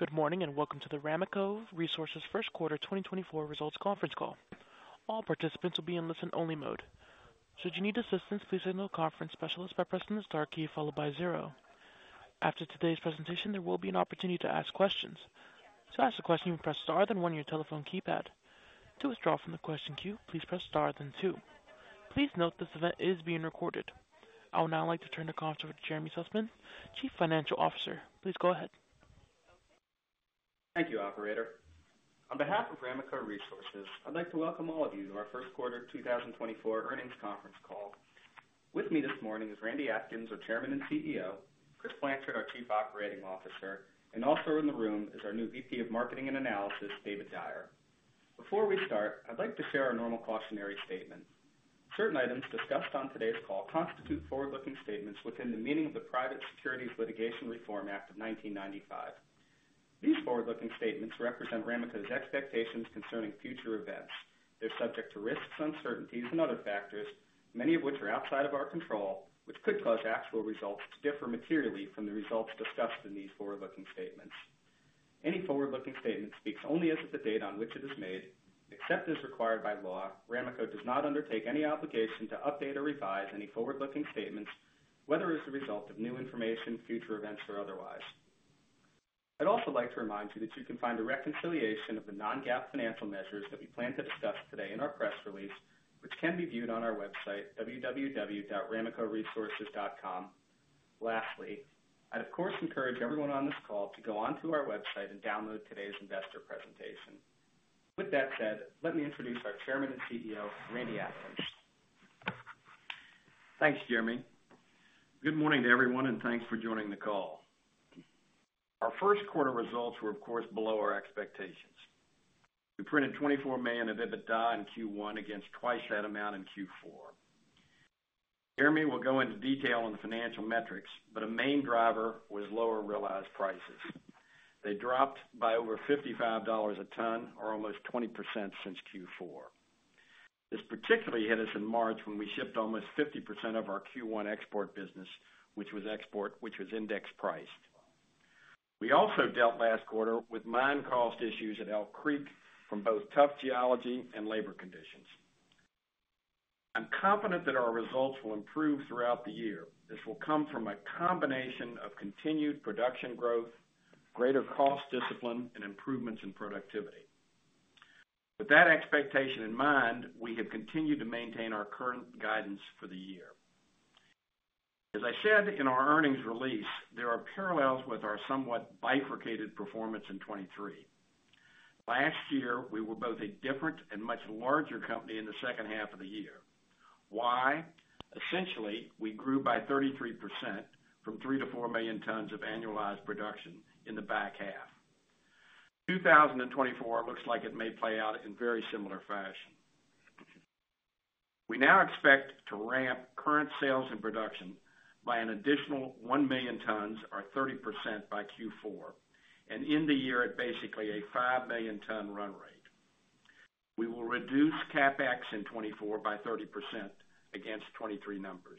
Good morning, and welcome to the Ramaco Resources First Quarter 2024 Results Conference Call. All participants will be in listen-only mode. Should you need assistance, please signal a conference specialist by pressing the star key followed by 0. After today's presentation, there will be an opportunity to ask questions. To ask a question, press star, then one on your telephone keypad. To withdraw from the question queue, please press star, then two. Please note this event is being recorded. I would now like to turn the call over to Jeremy Sussman, Chief Financial Officer. Please go ahead. Thank you, operator. On behalf of Ramaco Resources, I'd like to welcome all of you to our first quarter 2024 earnings conference call. With me this morning is Randy Atkins, our Chairman and CEO; Chris Blanchard, our Chief Operating Officer; and also in the room is our new VP of Marketing and Analysis, David Dyer. Before we start, I'd like to share our normal cautionary statement. Certain items discussed on today's call constitute forward-looking statements within the meaning of the Private Securities Litigation Reform Act of 1995. These forward-looking statements represent Ramaco's expectations concerning future events. They're subject to risks, uncertainties and other factors, many of which are outside of our control, which could cause actual results to differ materially from the results discussed in these forward-looking statements. Any forward-looking statement speaks only as of the date on which it is made. Except as required by law, Ramaco does not undertake any obligation to update or revise any forward-looking statements, whether as a result of new information, future events, or otherwise. I'd also like to remind you that you can find a reconciliation of the non-GAAP financial measures that we plan to discuss today in our press release, which can be viewed on our website, www.ramacoresources.com. Lastly, I'd of course encourage everyone on this call to go onto our website and download today's investor presentation. With that said, let me introduce our Chairman and CEO, Randy Atkins. Thanks, Jeremy. Good morning to everyone, and thanks for joining the call. Our first quarter results were, of course, below our expectations. We printed $24 million of EBITDA in Q1 against twice that amount in Q4. Jeremy will go into detail on the financial metrics, but a main driver was lower realized prices. They dropped by over $55 a ton, or almost 20% since Q4. This particularly hit us in March when we shipped almost 50% of our Q1 export business, which was index priced. We also dealt last quarter with mine cost issues at Elk Creek from both tough geology and labor conditions. I'm confident that our results will improve throughout the year. This will come from a combination of continued production growth, greater cost discipline, and improvements in productivity. With that expectation in mind, we have continued to maintain our current guidance for the year. As I said in our earnings release, there are parallels with our somewhat bifurcated performance in 2023. Last year, we were both a different and much larger company in the second half of the year. Why? Essentially, we grew by 33% from 3 million-4 million tons of annualized production in the back half. 2024 looks like it may play out in very similar fashion. We now expect to ramp current sales and production by an additional 1 million tons or 30% by Q4, and end the year at basically a 5 million ton run rate. We will reduce CapEx in 2024 by 30% against 2023 numbers.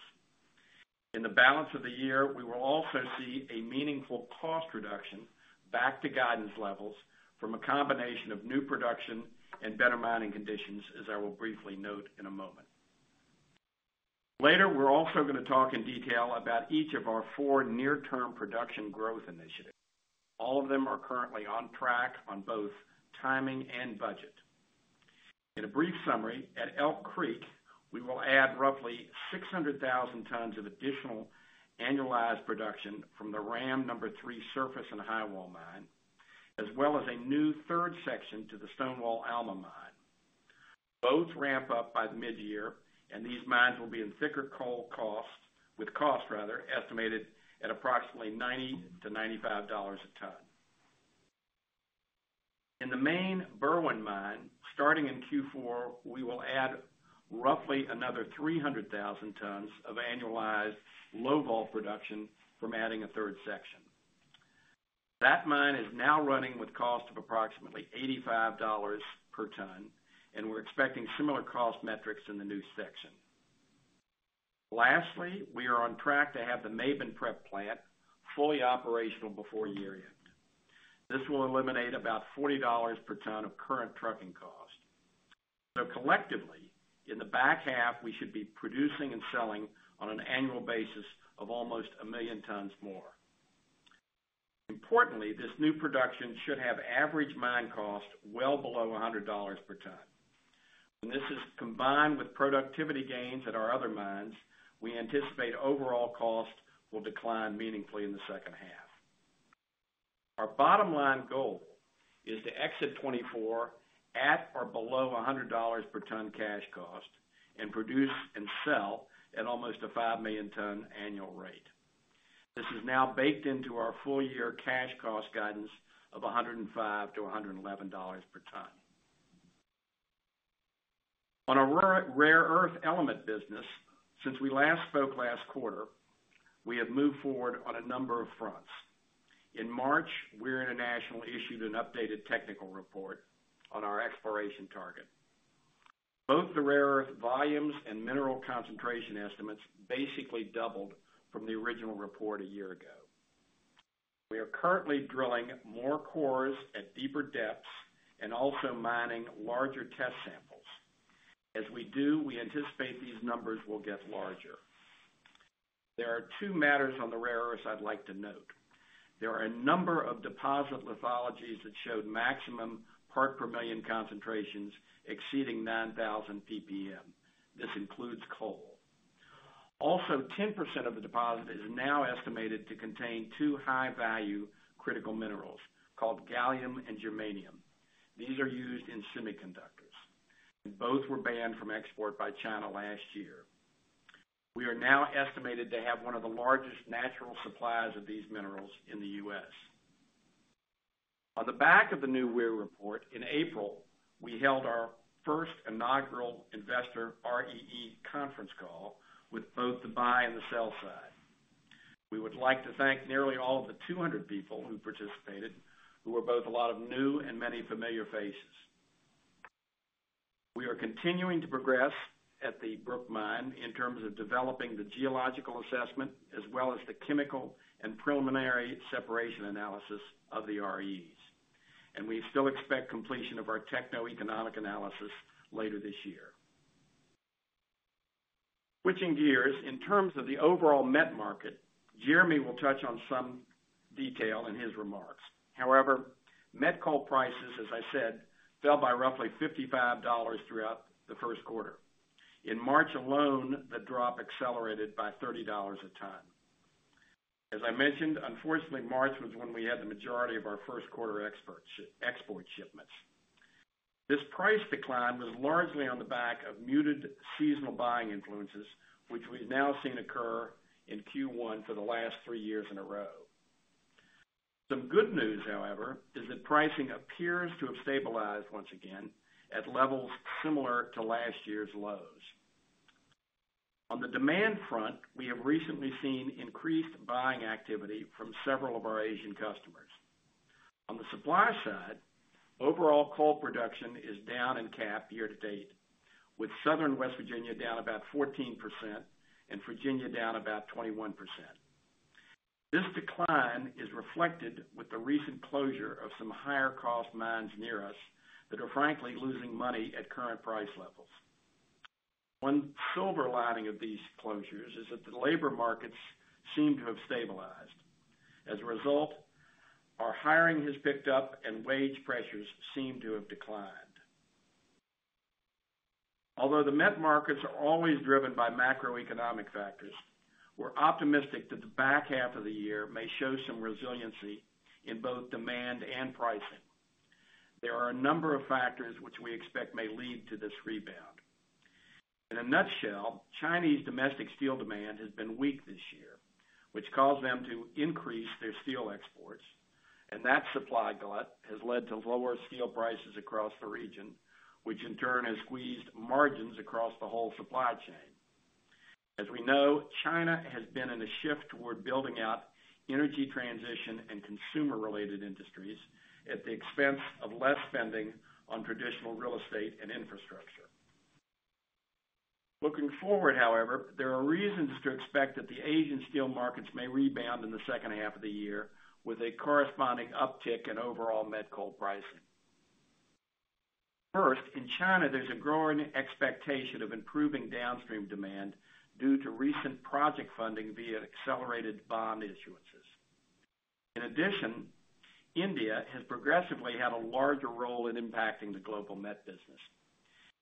In the balance of the year, we will also see a meaningful cost reduction back to guidance levels from a combination of new production and better mining conditions, as I will briefly note in a moment. Later, we're also going to talk in detail about each of our four near-term production growth initiatives. All of them are currently on track on both timing and budget. In a brief summary, at Elk Creek, we will add roughly 600,000 tons of additional annualized production from the RAM Mine No. 3 surface and highwall mine, as well as a new third section to the Stonecoal-Alma Mine. Both ramp up by the mid-year, and these mines will be in thicker coal costs, with costs rather estimated at approximately $90-$95 a ton. In the main Berwind Mine, starting in Q4, we will add roughly another 300,000 tons of annualized low-vol production from adding a third section. That mine is now running with cost of approximately $85 per ton, and we're expecting similar cost metrics in the new section. Lastly, we are on track to have the Maben prep plant fully operational before year-end. This will eliminate about $40 per ton of current trucking cost. So collectively, in the back half, we should be producing and selling on an annual basis of almost 1 million tons more. Importantly, this new production should have average mine cost well below $100 per ton. When this is combined with productivity gains at our other mines, we anticipate overall costs will decline meaningfully in the second half. Our bottom line goal is to exit 2024 at or below $100 per ton cash cost and produce and sell at almost a 5 million ton annual rate. This is now baked into our full-year cash cost guidance of $105-$111 per ton. On our rare earth element business, since we last spoke last quarter, we have moved forward on a number of fronts. In March, Weir International issued an updated technical report on our exploration target.... Both the rare earth volumes and mineral concentration estimates basically doubled from the original report a year ago. We are currently drilling more cores at deeper depths and also mining larger test samples. As we do, we anticipate these numbers will get larger. There are two matters on the rare earths I'd like to note. There are a number of deposit lithologies that showed maximum parts per million concentrations exceeding 9,000 ppm. This includes coal. Also, 10% of the deposit is now estimated to contain two high-value critical minerals, called gallium and germanium. These are used in semiconductors, and both were banned from export by China last year. We are now estimated to have one of the largest natural supplies of these minerals in the U.S. On the back of the new Weir report, in April, we held our first inaugural investor REE conference call with both the buy and the sell side. We would like to thank nearly all of the 200 people who participated, who were both a lot of new and many familiar faces. We are continuing to progress at the Brook Mine in terms of developing the geological assessment, as well as the chemical and preliminary separation analysis of the REEs, and we still expect completion of our techno-economic analysis later this year. Switching gears, in terms of the overall met market, Jeremy will touch on some detail in his remarks. However, met coal prices, as I said, fell by roughly $55 throughout the first quarter. In March alone, the drop accelerated by $30 a ton. As I mentioned, unfortunately, March was when we had the majority of our first quarter exports, export shipments. This price decline was largely on the back of muted seasonal buying influences, which we've now seen occur in Q1 for the last three years in a row. Some good news, however, is that pricing appears to have stabilized once again at levels similar to last year's lows. On the demand front, we have recently seen increased buying activity from several of our Asian customers. On the supply side, overall coal production is down in CAPP year to date, with Southern West Virginia down about 14% and Virginia down about 21%. This decline is reflected with the recent closure of some higher cost mines near us, that are frankly, losing money at current price levels. One silver lining of these closures is that the labor markets seem to have stabilized. As a result, our hiring has picked up and wage pressures seem to have declined. Although the met markets are always driven by macroeconomic factors, we're optimistic that the back half of the year may show some resiliency in both demand and pricing. There are a number of factors which we expect may lead to this rebound. In a nutshell, Chinese domestic steel demand has been weak this year, which caused them to increase their steel exports, and that supply glut has led to lower steel prices across the region, which in turn has squeezed margins across the whole supply chain. As we know, China has been in a shift toward building out energy transition and consumer-related industries at the expense of less spending on traditional real estate and infrastructure. Looking forward, however, there are reasons to expect that the Asian steel markets may rebound in the second half of the year with a corresponding uptick in overall met coal pricing. First, in China, there's a growing expectation of improving downstream demand due to recent project funding via accelerated bond issuances. In addition, India has progressively had a larger role in impacting the global met business.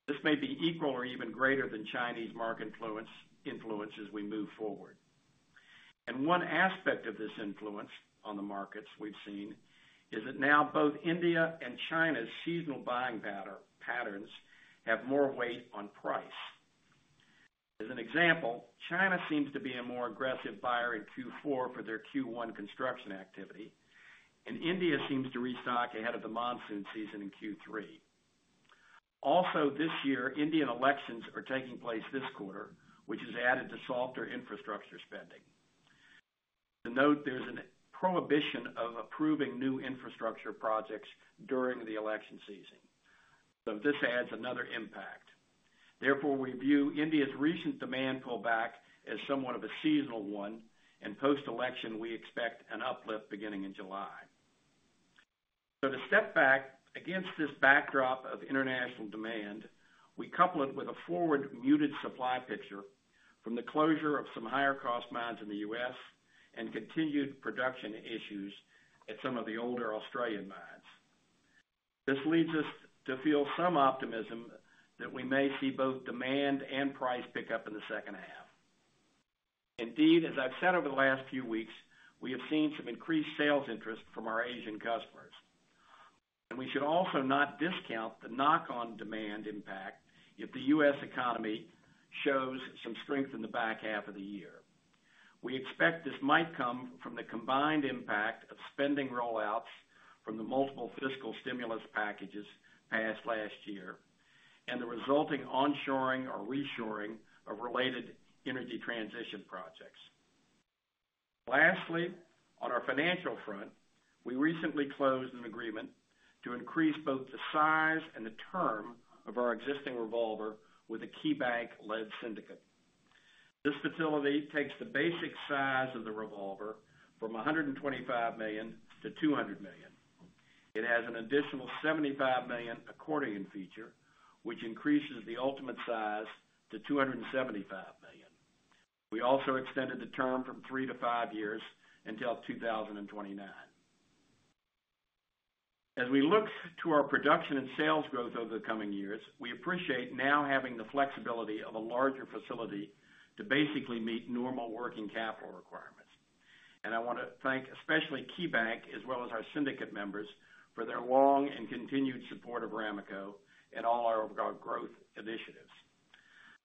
This may be equal or even greater than Chinese market influence as we move forward. One aspect of this influence on the markets we've seen is that now both India and China's seasonal buying patterns have more weight on price. As an example, China seems to be a more aggressive buyer in Q4 for their Q1 construction activity, and India seems to restock ahead of the monsoon season in Q3. Also, this year, Indian elections are taking place this quarter, which has added to softer infrastructure spending. To note, there's a prohibition of approving new infrastructure projects during the election season, so this adds another impact. Therefore, we view India's recent demand pullback as somewhat of a seasonal one, and post-election, we expect an uplift beginning in July. So to step back against this backdrop of international demand, we couple it with a forward muted supply picture from the closure of some higher cost mines in the U.S. and continued production issues at some of the older Australian mines. This leads us to feel some optimism that we may see both demand and price pick up in the second half. Indeed, as I've said over the last few weeks, we have seen some increased sales interest from our Asian customers. And we should also not discount the knock on demand impact if the U.S. economy shows some strength in the back half of the year. We expect this might come from the combined impact of spending rollouts from the multiple fiscal stimulus packages passed last year, and the resulting onshoring or reshoring of related energy transition projects.... Lastly, on our financial front, we recently closed an agreement to increase both the size and the term of our existing revolver with a KeyBank-led syndicate. This facility takes the basic size of the revolver from $125 million-$200 million. It has an additional $75 million accordion feature, which increases the ultimate size to $275 million. We also extended the term from three to five years until 2029. As we look to our production and sales growth over the coming years, we appreciate now having the flexibility of a larger facility to basically meet normal working capital requirements. I want to thank, especially KeyBank, as well as our syndicate members, for their long and continued support of Ramaco and all of our growth initiatives.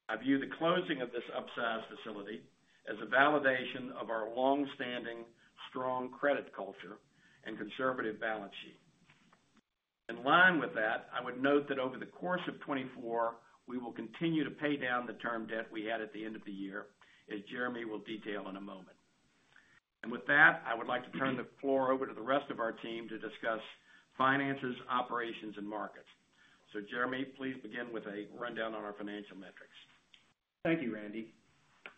I view the closing of this upsize facility as a validation of our long-standing, strong credit culture and conservative balance sheet. In line with that, I would note that over the course of 2024, we will continue to pay down the term debt we had at the end of the year, as Jeremy will detail in a moment. With that, I would like to turn the floor over to the rest of our team to discuss finances, operations, and markets. Jeremy, please begin with a rundown on our financial metrics. Thank you, Randy.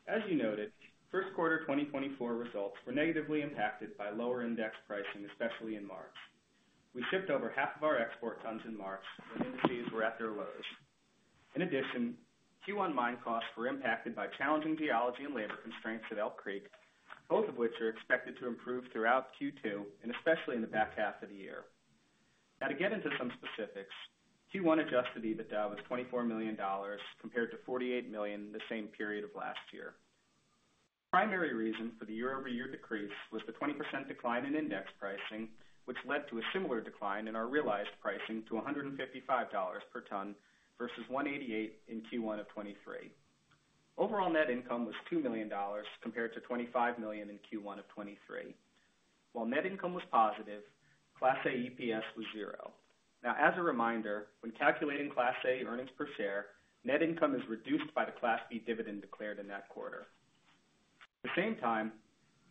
As you noted, first quarter 2024 results were negatively impacted by lower index pricing, especially in March. We shipped over half of our export tons in March, when indices were at their lows. In addition, Q1 mine costs were impacted by challenging geology and labor constraints at Elk Creek, both of which are expected to improve throughout Q2 and especially in the back half of the year. Now, to get into some specifics, Q1 adjusted EBITDA was $24 million, compared to $48 million the same period of last year. The primary reason for the year-over-year decrease was the 20% decline in index pricing, which led to a similar decline in our realized pricing to $155 per ton, versus $188 in Q1 of 2023. Overall, net income was $2 million, compared to $25 million in Q1 of 2023. While net income was positive, Class A EPS was zero. Now, as a reminder, when calculating Class A earnings per share, net income is reduced by the Class B dividend declared in that quarter. At the same time,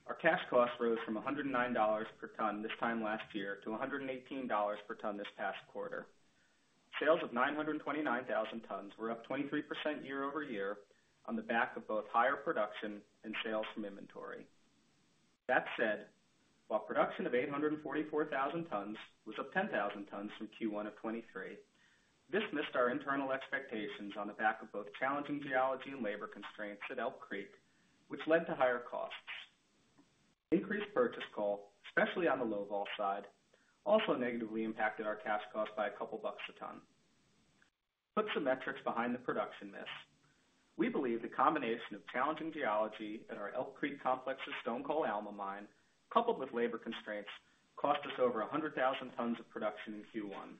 our cash costs rose from $109 per ton this time last year to $118 per ton this past quarter. Sales of 929,000 tons were up 23% year-over-year on the back of both higher production and sales from inventory. That said, while production of 844,000 tons was up 10,000 tons from Q1 of 2023, this missed our internal expectations on the back of both challenging geology and labor constraints at Elk Creek, which led to higher costs. Increased purchased coal, especially on the low-vol side, also negatively impacted our cash cost by a couple bucks a ton. Put some metrics behind the production miss. We believe the combination of challenging geology at our Elk Creek Complex's Stonecoal-Alma Mine, coupled with labor constraints, cost us over 100,000 tons of production in Q1.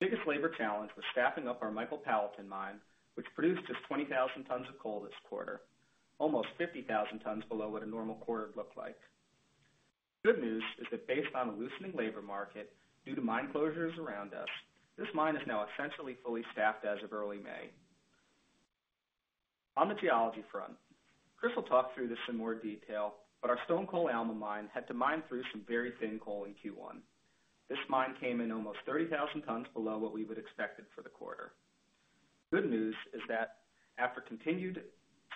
The biggest labor challenge was staffing up our Michael Powellton Mine, which produced just 20,000 tons of coal this quarter, almost 50,000 tons below what a normal quarter would look like. Good news is that based on the loosening labor market, due to mine closures around us, this mine is now essentially fully staffed as of early May. On the geology front, Chris will talk through this in more detail, but our Stonecoal-Alma Mine had to mine through some very thin coal in Q1. This mine came in almost 30,000 tons below what we would have expected for the quarter. Good news is that after continued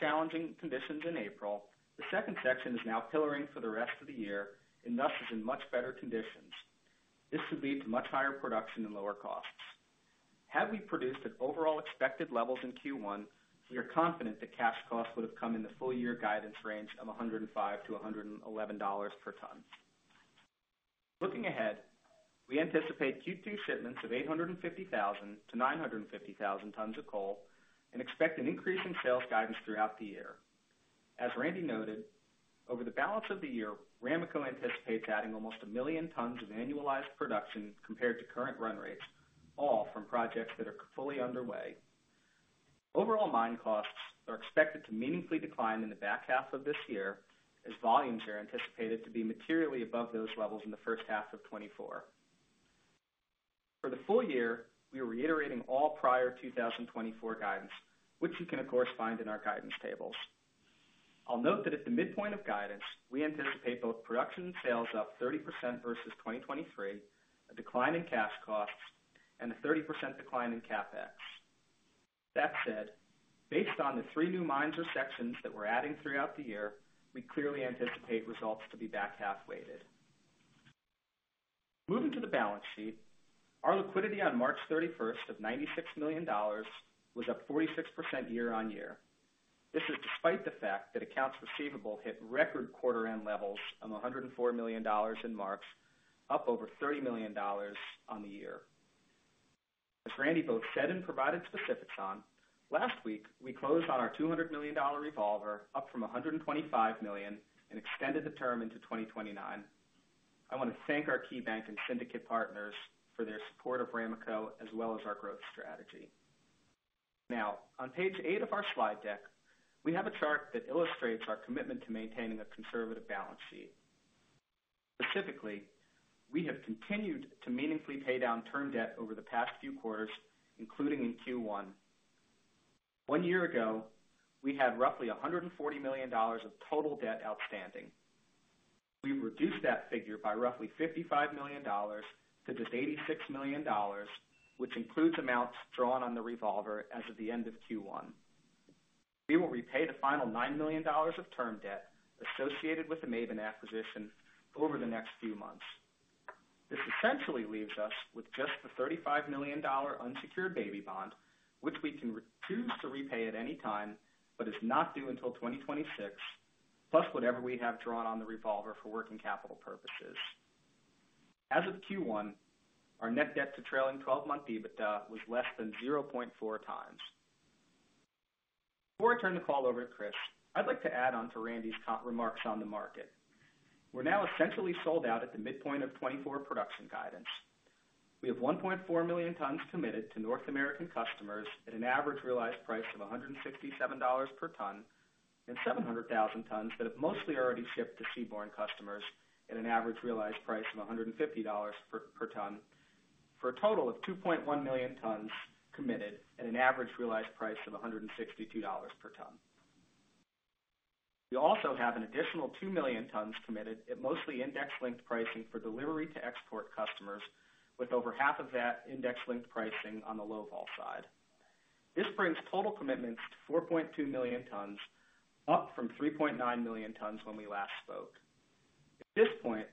challenging conditions in April, the second section is now pillaring for the rest of the year and thus is in much better conditions. This should lead to much higher production and lower costs. Had we produced at overall expected levels in Q1, we are confident that cash costs would have come in the full year guidance range of $105-$111 per ton. Looking ahead, we anticipate Q2 shipments of 850,000-950,000 tons of coal and expect an increase in sales guidance throughout the year. As Randy noted, over the balance of the year, Ramaco anticipates adding almost 1 million tons of annualized production compared to current run rates, all from projects that are fully underway. Overall, mine costs are expected to meaningfully decline in the back half of this year, as volumes are anticipated to be materially above those levels in the first half of 2024. For the full year, we are reiterating all prior 2024 guidance, which you can, of course, find in our guidance tables. I'll note that at the midpoint of guidance, we anticipate both production and sales up 30% versus 2023, a decline in cash costs, and a 30% decline in CapEx. That said, based on the 3 new mines or sections that we're adding throughout the year, we clearly anticipate results to be back half-weighted. Moving to the balance sheet, our liquidity on March 31st of $96 million was up 46% year-on-year. This is despite the fact that accounts receivable hit record quarter-end levels of $104 million in March, up over $30 million on the year. As Randy both said and provided specifics on, last week, we closed on our $200 million revolver, up from $125 million and extended the term into 2029. I want to thank our KeyBank and syndicate partners for their support of Ramaco, as well as our growth strategy. Now, on page 8 of our slide deck, we have a chart that illustrates our commitment to maintaining a conservative balance sheet. Specifically, we have continued to meaningfully pay down term debt over the past few quarters, including in Q1.... One year ago, we had roughly $140 million of total debt outstanding. We reduced that figure by roughly $55 million to just $86 million, which includes amounts drawn on the revolver as of the end of Q1. We will repay the final $9 million of term debt associated with the Maben acquisition over the next few months. This essentially leaves us with just the $35 million-dollar unsecured baby bond, which we can choose to repay at any time, but is not due until 2026, plus whatever we have drawn on the revolver for working capital purposes. As of Q1, our net debt to trailing 12-month EBITDA was less than 0.4 times. Before I turn the call over to Chris, I'd like to add on to Randy's top remarks on the market. We're now essentially sold out at the midpoint of 2024 production guidance. We have 1.4 million tons committed to North American customers at an average realized price of $167 per ton, and 700,000 tons that have mostly already shipped to seaborne customers at an average realized price of $150 per ton, for a total of 2.1 million tons committed at an average realized price of $162 per ton. We also have an additional 2 million tons committed at mostly index-linked pricing for delivery to export customers, with over half of that index-linked pricing on the low-vol side. This brings total commitments to 4.2 million tons, up from 3.9 million tons when we last spoke. At this point,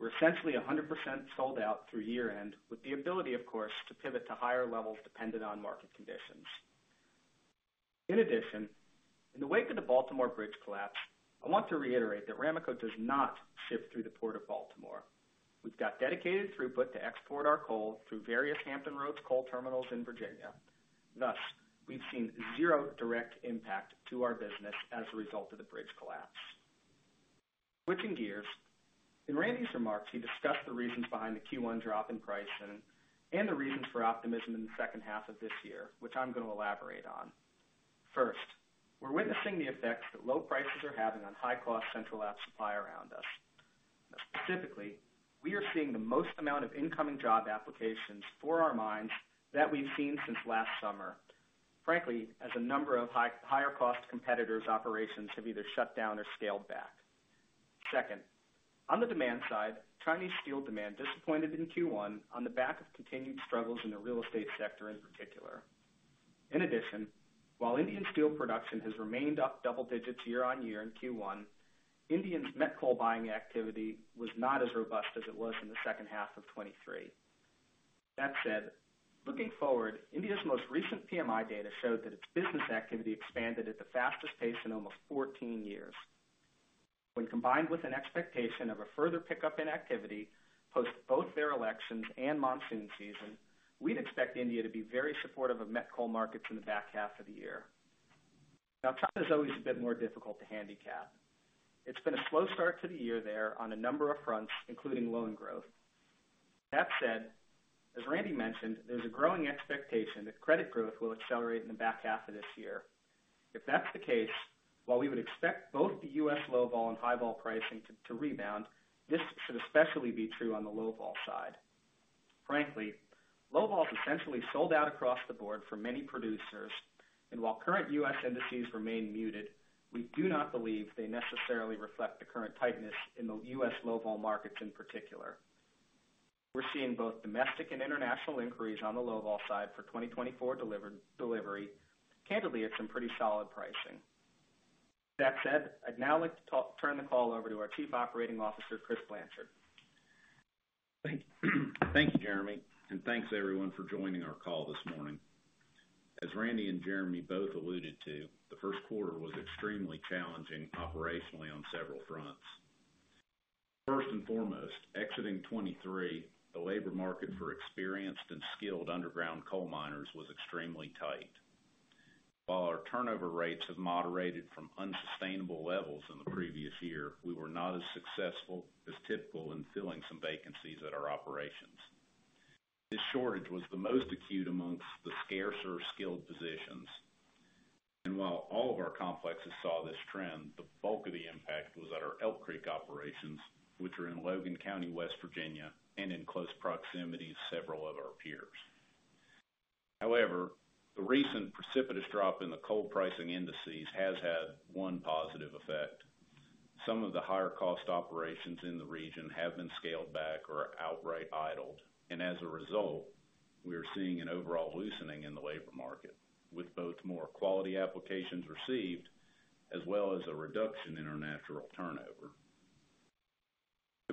we're essentially 100% sold out through year-end, with the ability, of course, to pivot to higher levels dependent on market conditions. In addition, in the wake of the Baltimore bridge collapse, I want to reiterate that Ramaco does not ship through the Port of Baltimore. We've got dedicated throughput to export our coal through various Hampton Roads coal terminals in Virginia. Thus, we've seen zero direct impact to our business as a result of the bridge collapse. Switching gears, in Randy's remarks, he discussed the reasons behind the Q1 drop in pricing and the reasons for optimism in the second half of this year, which I'm going to elaborate on. First, we're witnessing the effects that low prices are having on high-cost Central Appalachia supply around us. Specifically, we are seeing the most amount of incoming job applications for our mines that we've seen since last summer, frankly, as a number of higher cost competitors' operations have either shut down or scaled back. Second, on the demand side, Chinese steel demand disappointed in Q1 on the back of continued struggles in the real estate sector in particular. In addition, while Indian steel production has remained up double digits year-on-year in Q1, India's met coal buying activity was not as robust as it was in the second half of 2023. That said, looking forward, India's most recent PMI data showed that its business activity expanded at the fastest pace in almost 14 years. When combined with an expectation of a further pickup in activity, post both their elections and monsoon season, we'd expect India to be very supportive of met coal markets in the back half of the year. Now, China is always a bit more difficult to handicap. It's been a slow start to the year there on a number of fronts, including loan growth. That said, as Randy mentioned, there's a growing expectation that credit growth will accelerate in the back half of this year. If that's the case, while we would expect both the U.S. low vol and high vol pricing to rebound, this should especially be true on the low vol side. Frankly, low vol is essentially sold out across the board for many producers, and while current U.S. indices remain muted, we do not believe they necessarily reflect the current tightness in the U.S. low vol markets in particular. We're seeing both domestic and international inquiries on the low vol side for 2024 delivered delivery, candidly, at some pretty solid pricing. That said, I'd now like to turn the call over to our Chief Operating Officer, Chris Blanchard. Thank you. Thank you, Jeremy, and thanks, everyone, for joining our call this morning. As Randy and Jeremy both alluded to, the first quarter was extremely challenging operationally on several fronts. First and foremost, exiting 2023, the labor market for experienced and skilled underground coal miners was extremely tight. While our turnover rates have moderated from unsustainable levels in the previous year, we were not as successful as typical in filling some vacancies at our operations. This shortage was the most acute amongst the scarcer skilled positions, and while all of our complexes saw this trend, the bulk of the impact was at our Elk Creek operations, which are in Logan County, West Virginia, and in close proximity to several of our peers. However, the recent precipitous drop in the coal pricing indices has had one positive effect. Some of the higher cost operations in the region have been scaled back or outright idled, and as a result, we are seeing an overall loosening in the labor market, with both more quality applications received as well as a reduction in our natural turnover.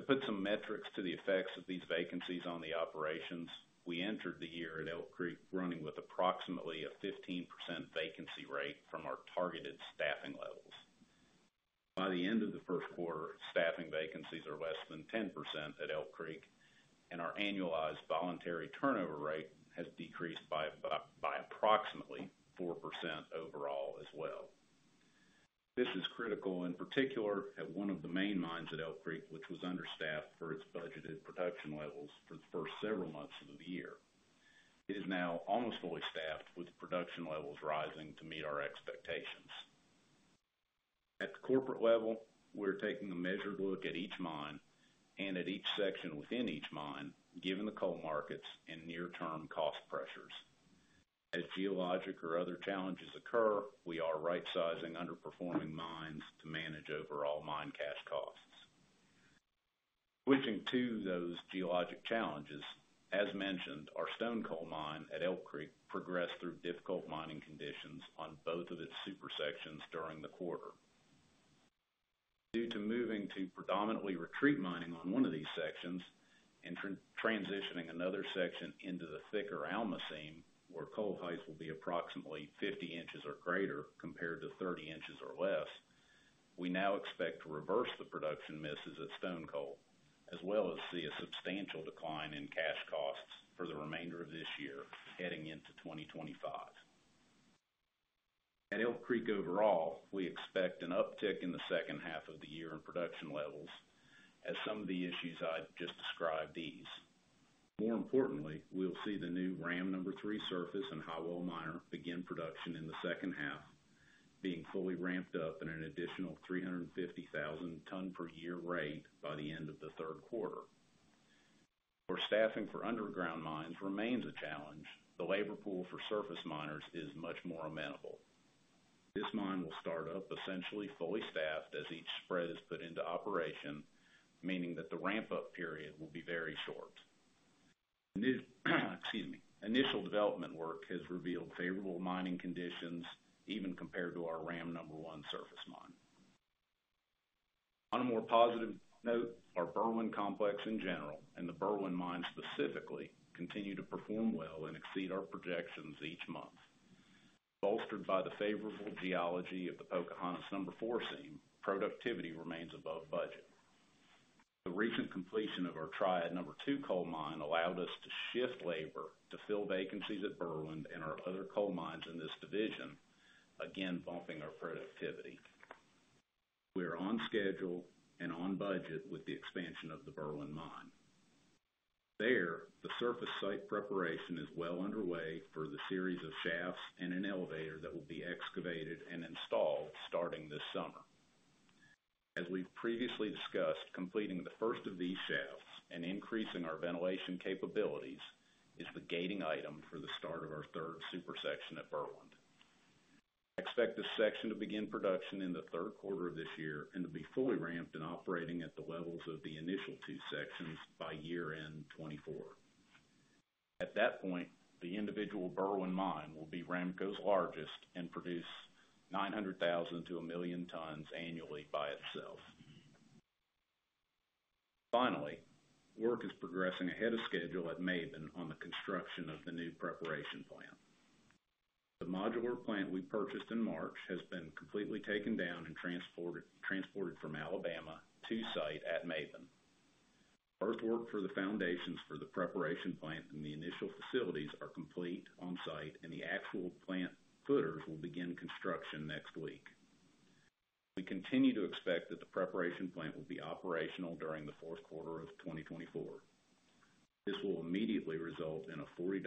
To put some metrics to the effects of these vacancies on the operations, we entered the year at Elk Creek, running with approximately a 15% vacancy rate from our targeted staffing levels. By the end of the first quarter, staffing vacancies are less than 10% at Elk Creek, and our annualized voluntary turnover rate has decreased by approximately 4% overall as well. This is critical, in particular, at one of the main mines at Elk Creek, which was understaffed for its budgeted production levels for the first several months of the year. It is now almost fully staffed, with production levels rising to meet our expectations.... At the corporate level, we're taking a measured look at each mine and at each section within each mine, given the coal markets and near-term cost pressures. As geologic or other challenges occur, we are rightsizing underperforming mines to manage overall mine cash costs. Switching to those geologic challenges, as mentioned, our Stonecoal Mine at Elk Creek progressed through difficult mining conditions on both of its super sections during the quarter. Due to moving to predominantly retreat mining on one of these sections and transitioning another section into the thicker Alma seam, where coal heights will be approximately 50 inches or greater compared to 30 inches or less, we now expect to reverse the production misses at Stonecoal, as well as see a substantial decline in cash costs for the remainder of this year heading into 2025. At Elk Creek overall, we expect an uptick in the second half of the year in production levels as some of the issues I've just described ease. More importantly, we'll see the new RAM Mine No. 3 surface and highwall miner begin production in the second half, being fully ramped up in an additional 350,000 ton per year rate by the end of the third quarter. Where staffing for underground mines remains a challenge, the labor pool for surface miners is much more amenable. This mine will start up essentially fully staffed as each spread is put into operation, meaning that the ramp-up period will be very short. Initial development work has revealed favorable mining conditions, even compared to our RAM No. 1 surface mine. On a more positive note, our Berwind Complex in general, and the Berwind Mine specifically, continue to perform well and exceed our projections each month. Bolstered by the favorable geology of the Pocahontas No. 4 seam, productivity remains above budget. The recent completion of our Triad No. 2 Mine allowed us to shift labor to fill vacancies at Berwind and our other coal mines in this division, again, bumping our productivity. We are on schedule and on budget with the expansion of the Berwind Mine. There, the surface site preparation is well underway for the series of shafts and an elevator that will be excavated and installed starting this summer. As we've previously discussed, completing the first of these shafts and increasing our ventilation capabilities is the gating item for the start of our third super section at Berwind. Expect this section to begin production in the third quarter of this year and to be fully ramped and operating at the levels of the initial two sections by year-end 2024. At that point, the individual Berwind mine will be Ramaco's largest and produce 900,000-1,000,000 tons annually by itself. Finally, work is progressing ahead of schedule at Maben on the construction of the new preparation plant. The modular plant we purchased in March has been completely taken down and transported from Alabama to site at Maben. Earthwork for the foundations for the preparation plant and the initial facilities are complete on site, and the actual plant footers will begin construction next week. We continue to expect that the preparation plant will be operational during the fourth quarter of 2024. This will immediately result in a $40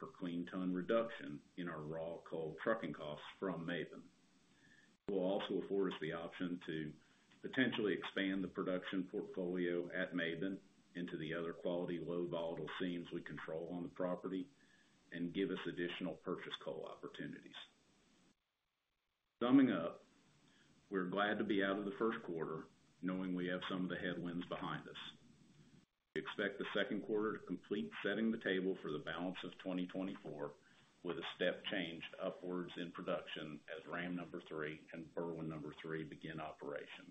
per clean ton reduction in our raw coal trucking costs from Maben. It will also afford us the option to potentially expand the production portfolio at Maben into the other quality, low volatile seams we control on the property and give us additional purchase coal opportunities. Summing up, we're glad to be out of the first quarter, knowing we have some of the headwinds behind us. Expect the second quarter to complete setting the table for the balance of 2024, with a step change upwards in production as RAM No. 3 and Berwind No. 3 begin operation.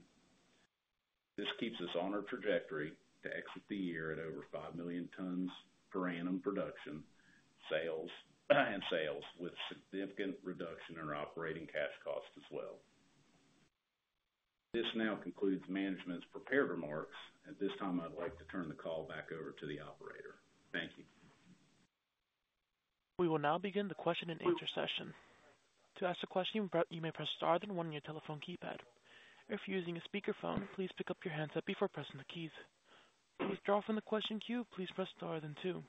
This keeps us on our trajectory to exit the year at over 5 million tons per annum production, sales, and sales with significant reduction in our operating cash cost as well. This now concludes management's prepared remarks. At this time, I'd like to turn the call back over to the operator. Thank you. We will now begin the question-and-answer session. To ask a question, press, you may press star then one on your telephone keypad. If you're using a speakerphone, please pick up your handset before pressing the keys. To withdraw from the question queue, please press star then two.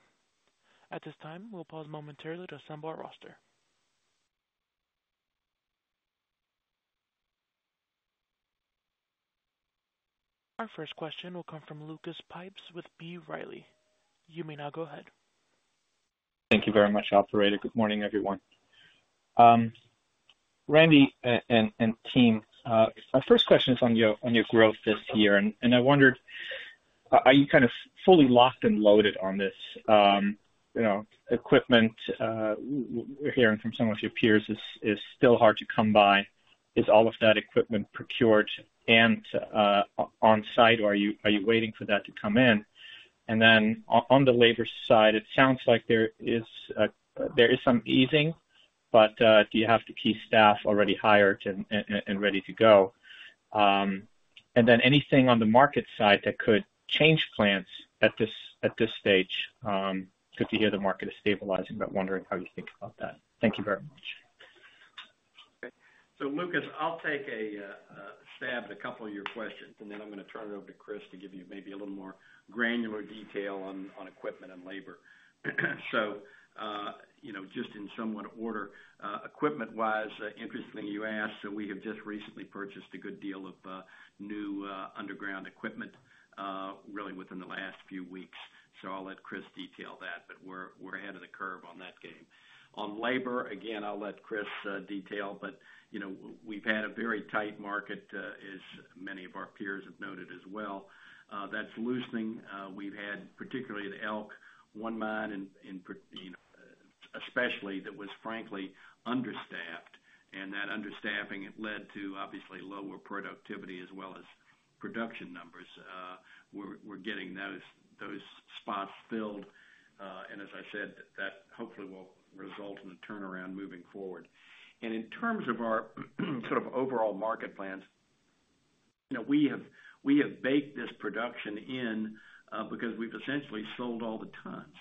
At this time, we'll pause momentarily to assemble our roster. Our first question will come from Lucas Pipes with B. Riley. You may now go ahead. Thank you very much, operator. Good morning, everyone. Randy and team, my first question is on your growth this year, and I wondered, are you kind of fully locked and loaded on this, you know, equipment? We're hearing from some of your peers it is still hard to come by. Is all of that equipment procured and on site, or are you waiting for that to come in? And then on the labor side, it sounds like there is some easing, but do you have the key staff already hired and ready to go? And then anything on the market side that could change plans at this stage? Good to hear the market is stabilizing, but wondering how you think about that. Thank you very much. ... Okay. So Lucas, I'll take a stab at a couple of your questions, and then I'm gonna turn it over to Chris to give you maybe a little more granular detail on equipment and labor. So you know, just in somewhat order, equipment-wise, interestingly, you asked, so we have just recently purchased a good deal of new underground equipment, really within the last few weeks. So I'll let Chris detail that, but we're ahead of the curve on that game. On labor, again, I'll let Chris detail, but you know, we've had a very tight market as many of our peers have noted as well. That's loosening. We've had, particularly at Elk, one mine in part—you know, especially that was frankly understaffed, and that understaffing led to obviously lower productivity as well as production numbers. We're getting those spots filled. And as I said, that hopefully will result in a turnaround moving forward. And in terms of our sort of overall market plans, you know, we have baked this production in, because we've essentially sold all the tons.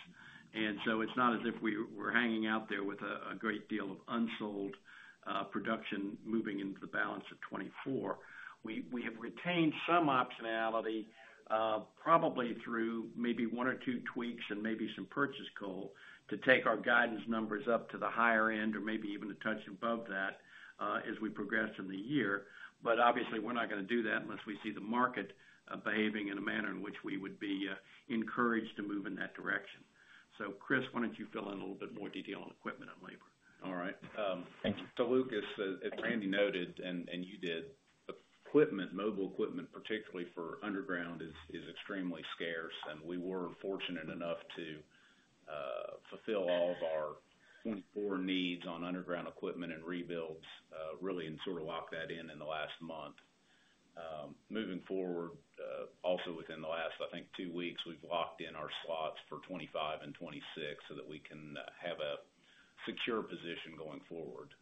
And so it's not as if we're hanging out there with a great deal of unsold production moving into the balance of 2024. We have retained some optionality, probably through maybe one or two tweaks and maybe some purchase coal, to take our guidance numbers up to the higher end or maybe even a touch above that, as we progress in the year. But obviously, we're not gonna do that unless we see the market behaving in a manner in which we would be encouraged to move in that direction. So, Chris, why don't you fill in a little bit more detail on equipment and labor? All right. Thank you. So, Lucas, as Randy noted, and you did, equipment, mobile equipment, particularly for underground, is extremely scarce, and we were fortunate enough to fulfill all of our 2024 needs on underground equipment and rebuilds, really, and sort of lock that in in the last month. Moving forward, also within the last, I think two weeks, we've locked in our slots for 2025 and 2026 so that we can have a secure position going forward.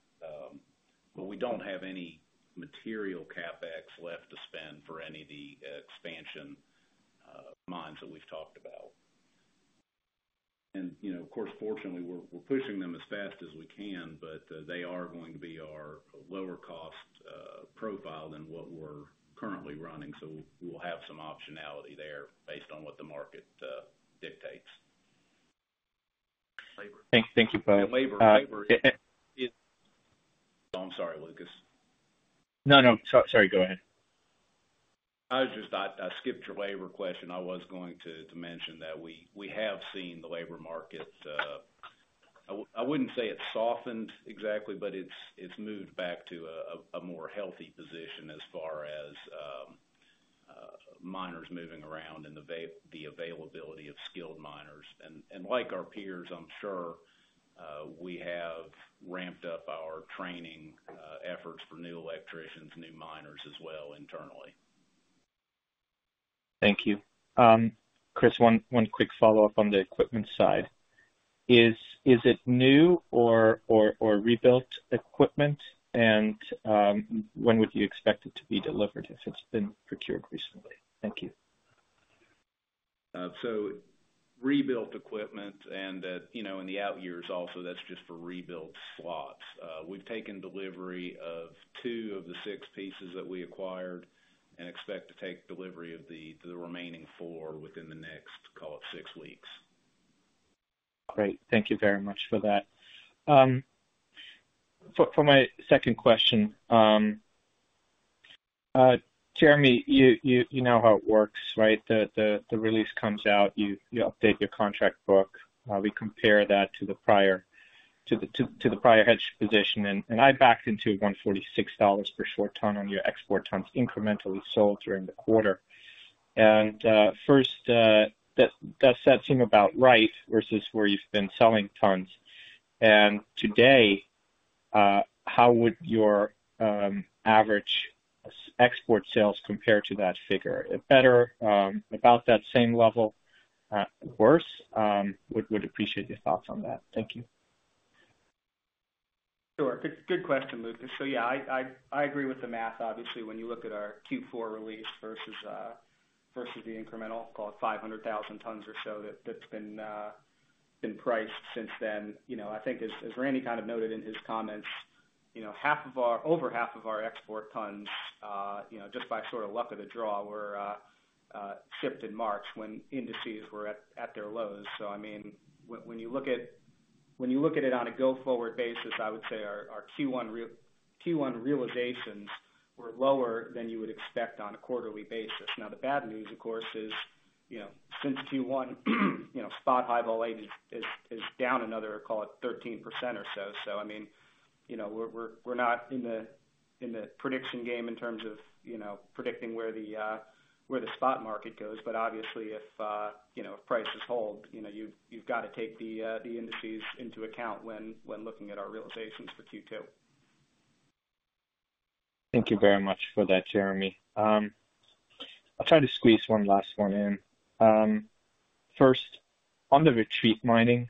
But we don't have any material CapEx left to spend for any of the expansion mines that we've talked about. And, you know, of course, fortunately, we're pushing them as fast as we can, but they are going to be our lower cost profile than what we're currently running, so we'll have some optionality there based on what the market dictates. Labor. Thank you for that. Yeah, labor. Labor is... Oh, I'm sorry, Lucas. No, no, sorry. Go ahead. I was just I skipped your labor question. I was going to mention that we have seen the labor market. I wouldn't say it's softened exactly, but it's moved back to a more healthy position as far as miners moving around and the availability of skilled miners. And like our peers, I'm sure, we have ramped up our training efforts for new electricians, new miners as well, internally. Thank you. Chris, one quick follow-up on the equipment side. Is it new or rebuilt equipment? And, when would you expect it to be delivered if it's been procured recently? Thank you. So rebuilt equipment and that, you know, in the outyears also, that's just for rebuilt slots. We've taken delivery of two of the six pieces that we acquired and expect to take delivery of the remaining four within the next, call it, six weeks. Great. Thank you very much for that. For my second question, Jeremy, you know how it works, right? The release comes out, you update your contract book, we compare that to the prior hedge position, and I backed into $146 per short ton on your export tons incrementally sold during the quarter. And first, does that seem about right versus where you've been selling tons? And today, how would your average export sales compare to that figure? Better, about that same level, worse? Would appreciate your thoughts on that. Thank you. Sure. Good question, Lucas. So yeah, I agree with the math. Obviously, when you look at our Q4 release versus the incremental, call it, 500,000 tons or so, that's been priced since then. You know, I think as Randy kind of noted in his comments, you know, over half of our export tons, you know, just by sort of luck of the draw, were shipped in March when indices were at their lows. So I mean, when you look at it on a go-forward basis, I would say our Q1 realizations were lower than you would expect on a quarterly basis. Now, the bad news, of course, is, you know, since Q1, you know, spot High-Vol A is down another, call it, 13% or so. So I mean, you know, we're not in the prediction game in terms of, you know, predicting where the spot market goes. But obviously, if, you know, prices hold, you know, you've got to take the indices into account when looking at our realizations for Q2. Thank you very much for that, Jeremy. I'll try to squeeze one last one in. First, on the retreat mining,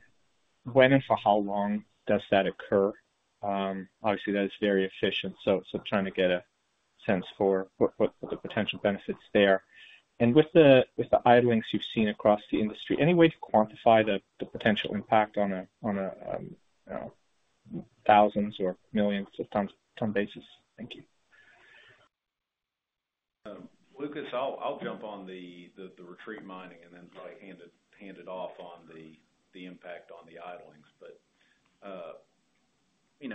when and for how long does that occur? Obviously, that is very efficient, so trying to get a sense for what the potential benefits there. And with the idlings you've seen across the industry, any way to quantify the potential impact on a, you know, thousands or millions of tons ton basis? Thank you. Lucas, I'll jump on the retreat mining and then probably hand it off on the impact on the idlings. But you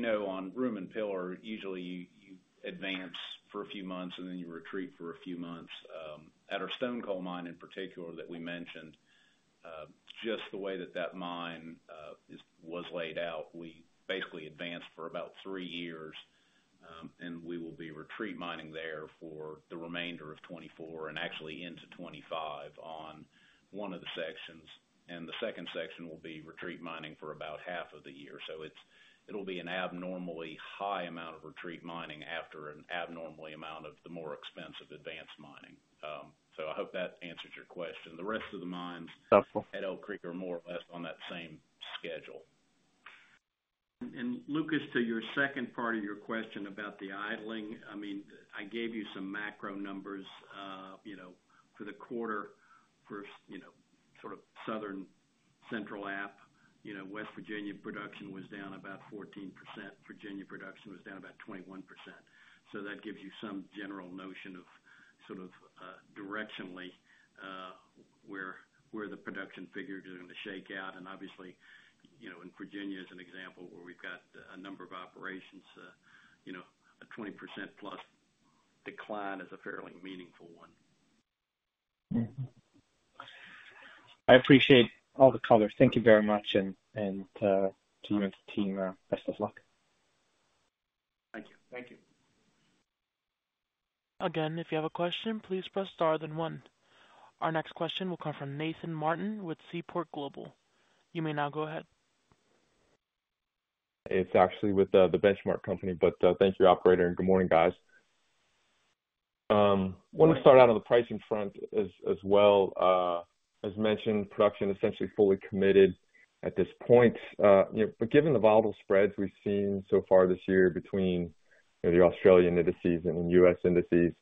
know, on room and pillar, usually you advance for a few months, and then you retreat for a few months. At our Stonecoal mine in particular, that we mentioned, just the way that mine was laid out, we basically advanced for about three years, and we will be retreat mining there for the remainder of 2024 and actually into 2025 on one of the sections. And the second section will be retreat mining for about half of the year. So it'll be an abnormally high amount of retreat mining after an abnormally amount of the more expensive advanced mining. So I hope that answers your question. The rest of the mines- Helpful. At Elk Creek are more or less on that same schedule. Lucas, to your second part of your question about the idling, I mean, I gave you some macro numbers, you know, for the quarter for, you know, sort of Southern Central Appalachia. You know, West Virginia production was down about 14%. Virginia production was down about 21%. So that gives you some general notion of sort of, directionally, where, where the production figures are going to shake out. And obviously, you know, in Virginia, as an example, where we've got a number of operations, you know, a 20%+ decline is a fairly meaningful one. Mm-hmm. I appreciate all the color. Thank you very much. And to you and the team, best of luck. Thank you. Thank you. Again, if you have a question, please press Star, then one. Our next question will come from Nathan Martin with Seaport Global. You may now go ahead. It's actually with The Benchmark Company, but thank you, operator, and good morning, guys. Want to start out on the pricing front as well. As mentioned, production essentially fully committed at this point. You know, but given the volatile spreads we've seen so far this year between the Australian indices and U.S. indices,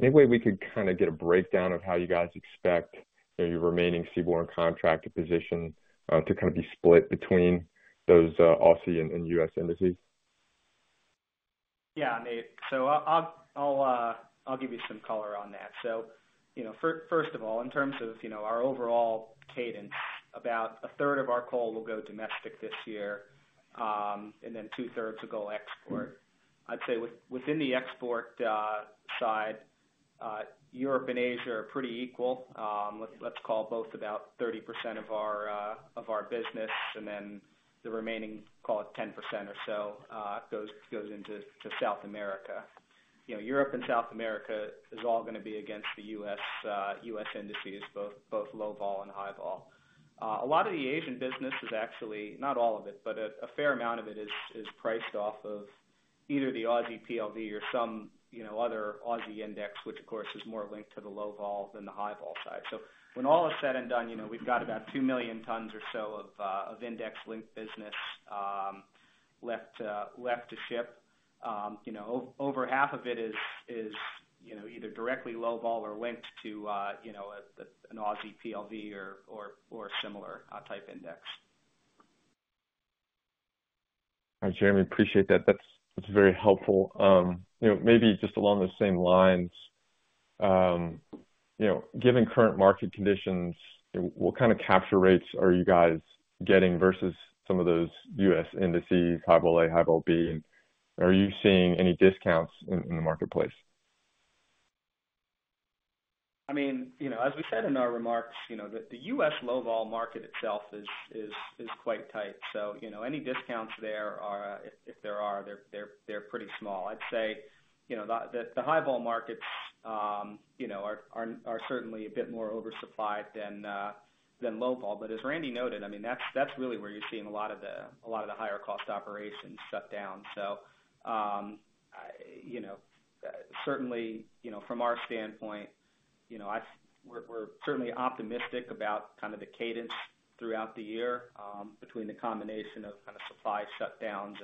any way we could kind of get a breakdown of how you guys expect your remaining seaborne contracted position to kind of be split between those Aussie and U.S. indices? Yeah, Nate. So I, I'll give you some color on that. So, you know, first of all, in terms of, you know, our overall cadence, about a third of our coal will go domestic this year, and then two-thirds will go export. I'd say, within the export side, Europe and Asia are pretty equal. Let's call both about 30% of our business, and then the remaining, call it 10% or so, goes into South America. You know, Europe and South America is all gonna be against the U.S. industries, both low vol and high vol. A lot of the Asian business is actually, not all of it, but a fair amount of it is priced off of either the Aussie PLV or some, you know, other Aussie index, which of course, is more linked to the low vol than the high vol side. So when all is said and done, you know, we've got about 2 million tons or so of index-linked business left to ship. You know, over half of it is, you know, either directly low vol or linked to, you know, an Aussie PLV or a similar type index. Jeremy, appreciate that. That's, that's very helpful. You know, maybe just along the same lines, you know, given current market conditions, what kind of capture rates are you guys getting versus some of those U.S. indices, High-Vol A, High-Vol B? Are you seeing any discounts in, in the marketplace? I mean, you know, as we said in our remarks, you know, the US low vol market itself is quite tight. So, you know, any discounts there are, if there are, they're pretty small. I'd say, you know, the high vol markets, you know, are certainly a bit more oversupplied than low vol. But as Randy noted, I mean, that's really where you're seeing a lot of the higher cost operations shut down. So, you know, certainly, you know, from our standpoint, you know, we're certainly optimistic about kind of the cadence throughout the year, between the combination of kind of supply shutdowns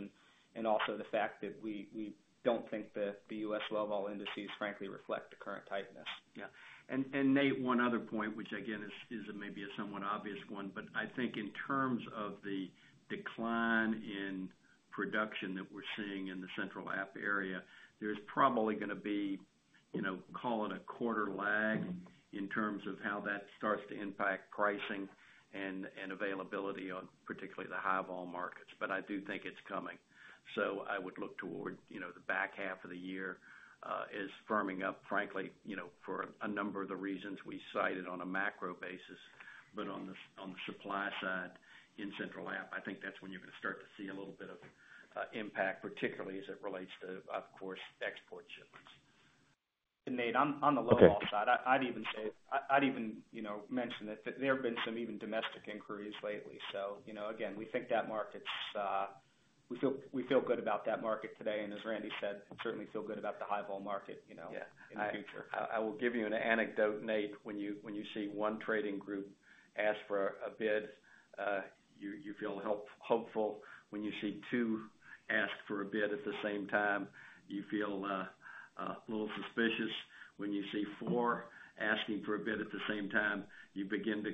and also the fact that we don't think that the US low vol indices frankly reflect the current tightness. Yeah. And Nate, one other point, which again, is maybe a somewhat obvious one, but I think in terms of the decline in production that we're seeing in the Central App area, there's probably gonna be, you know, call it a quarter lag in terms of how that starts to impact pricing and availability on particularly the high vol markets, but I do think it's coming. So I would look toward, you know, the back half of the year as firming up, frankly, you know, for a number of the reasons we cited on a macro basis. But on the supply side, in Central App, I think that's when you're gonna start to see a little bit of impact, particularly as it relates to, of course, export shipments. Nate, on the, on the low-vol side- Okay. I'd even say, you know, mention that there have been some even domestic inquiries lately. So, you know, again, we think that market's. We feel good about that market today, and as Randy said, certainly feel good about the high vol market, you know, in the future. I will give you an anecdote, Nate. When you see one trading group ask for a bid, you feel hopeful. When you see two ask for a bid at the same time, you feel a little suspicious. When you see four asking for a bid at the same time, you begin to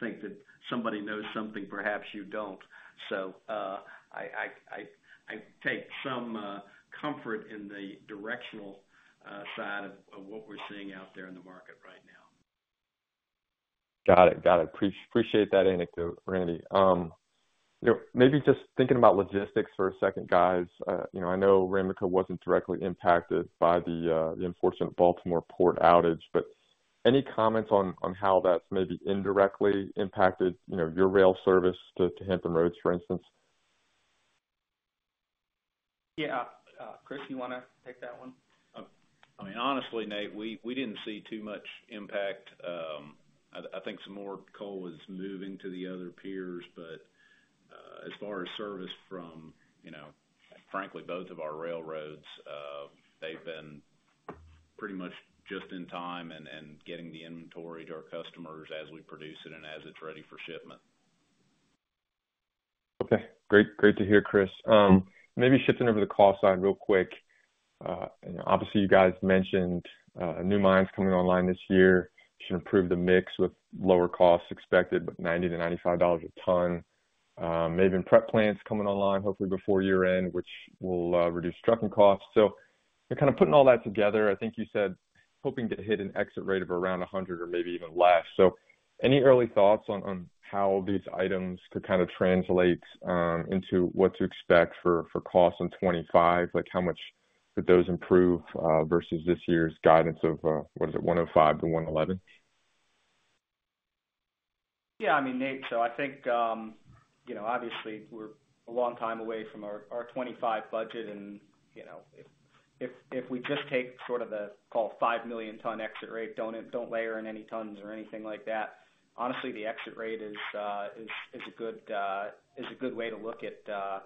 think that somebody knows something perhaps you don't. So, I take some comfort in the directional side of what we're seeing out there in the market right now. Got it. Got it. Appreciate that anecdote, Randy. You know, maybe just thinking about logistics for a second, guys. You know, I know Ramaco wasn't directly impacted by the unfortunate Baltimore port outage, but any comments on how that's maybe indirectly impacted, you know, your rail service to Hampton Roads, for instance? Yeah. Chris, you wanna take that one? I mean, honestly, Nate, we didn't see too much impact. I think some more coal was moving to the other peers, but as far as service from, you know, frankly, both of our railroads, they've been pretty much just in time and getting the inventory to our customers as we produce it and as it's ready for shipment. Okay, great. Great to hear, Chris. Maybe shifting over to the cost side real quick. And obviously, you guys mentioned new mines coming online this year should improve the mix with lower costs expected, but $90-$95 a ton. Maybe in prep plants coming online hopefully before year-end, which will reduce trucking costs. So kind of putting all that together, I think you said, hoping to hit an exit rate of around 100 or maybe even less. So any early thoughts on how these items could kind of translate into what to expect for costs in 25? Like, how much could those improve versus this year's guidance of what is it? $105-$111. Yeah, I mean, Nate, so I think, you know, obviously, we're a long time away from our 25 budget and, you know, if we just take sort of the, call, 5 million ton exit rate, don't layer in any tons or anything like that. Honestly, the exit rate is a good way to look at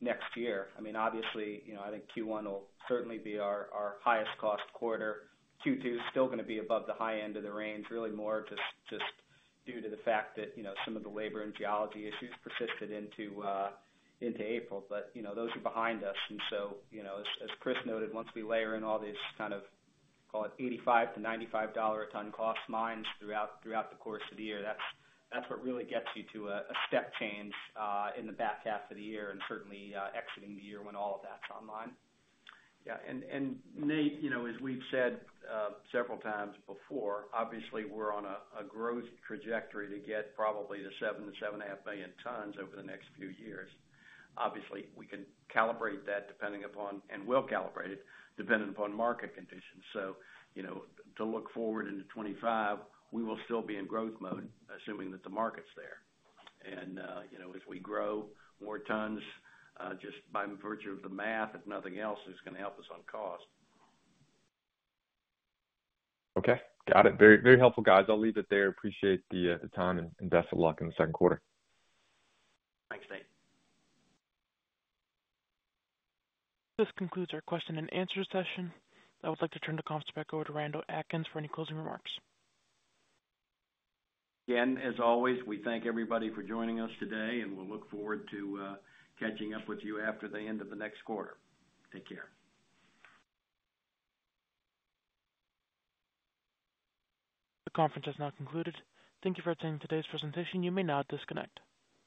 next year. I mean, obviously, you know, I think Q1 will certainly be our highest cost quarter. Q2 is still gonna be above the high end of the range, really more just due to the fact that, you know, some of the labor and geology issues persisted into April. But, you know, those are behind us. And so, you know, as Chris noted, once we layer in all these kind of, call it $85-$95 a ton cost mines throughout the course of the year, that's what really gets you to a step change in the back half of the year, and certainly exiting the year when all of that's online. Yeah, and Nate, you know, as we've said several times before, obviously we're on a growth trajectory to get probably to 7-7.5 million tons over the next few years. Obviously, we can calibrate that depending upon, and we'll calibrate it, depending upon market conditions. So, you know, to look forward into 2025, we will still be in growth mode, assuming that the market's there. And, you know, if we grow more tons, just by virtue of the math, if nothing else, is gonna help us on cost. Okay, got it. Very, very helpful, guys. I'll leave it there. Appreciate the time and best of luck in the second quarter. Thanks, Nate. This concludes our question and answer session. I would like to turn the conference back over to Randall Atkins for any closing remarks. Again, as always, we thank everybody for joining us today, and we'll look forward to catching up with you after the end of the next quarter. Take care. The conference has now concluded. Thank you for attending today's presentation. You may now disconnect.